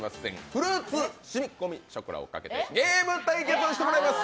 フルーツしみこみショコラをかけてゲーム対決をしてもらいます。